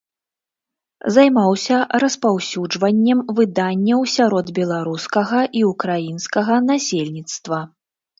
Займаўся распаўсюджваннем выданняў сярод беларускага і ўкраінскага насельніцтва.